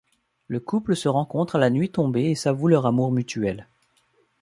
Le couple se rencontre à la nuit tombée et s'avoue leur amour mutuel.